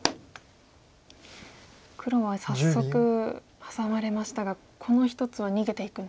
黒は早速ハサまれましたがこの１つは逃げていくんですかね。